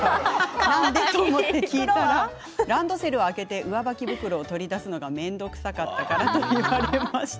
何で？と聞いたらランドセルを開けて上履き袋を取り出すのが面倒くさかったからと言われました。